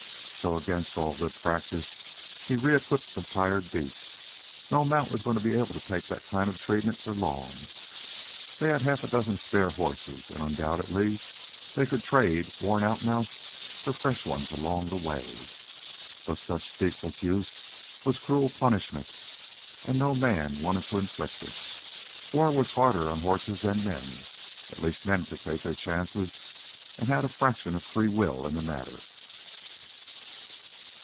So, against all good practice, he re equipped the tired beast. No mount was going to be able to take that kind of treatment for long. They had a half dozen spare horses, and undoubtedly they could "trade" worn out mounts for fresh ones along the way. But such ceaseless use was cruel punishment, and no man wanted to inflict it. War was harder on horses than men. At least the men could take their chances and had a fraction of free will in the matter.